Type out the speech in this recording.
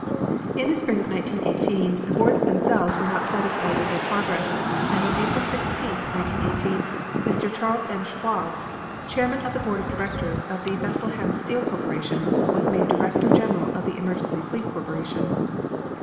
In the spring of 1918 the boards themselves were not satisfied with their progress, and on April 16, 1918, Mr. Charles M. Schwab, chairman of the Board of Directors of the Bethlehem Steel Corporation, was made Director General of the Emergency Fleet Corporation.